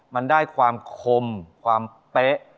มันได้ความคมความเป๊ะ